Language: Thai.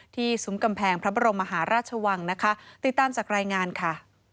ซุ้มกำแพงพระบรมมหาราชวังนะคะติดตามจากรายงานค่ะ